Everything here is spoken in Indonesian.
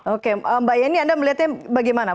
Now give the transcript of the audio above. oke mbak yeni anda melihatnya bagaimana